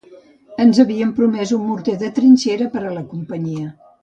Ens havien promès un morter de trinxera per a la companyia